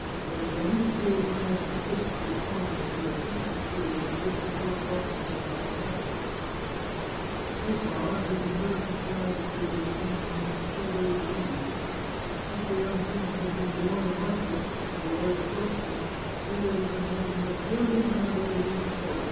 But Ranuzio Ernest V informed me that such a pro ceeding would give the court locksmith bad habits. " So far he has never contrived to be of the same mind three days running. If the young prince had been born a marquis, with a large fortune, he would have been one of the most worthy men about his own court — a.